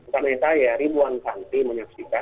karena saya ribuan santri menyaksikan